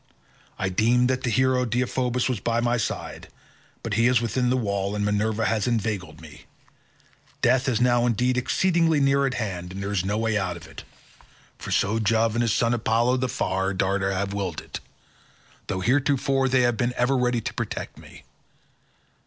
I deemed that the hero Deiphobus was by my side, but he is within the wall, and Minerva has inveigled me; death is now indeed exceedingly near at hand and there is no way out of it—for so Jove and his son Apollo the far darter have willed it, though heretofore they have been ever ready to protect me.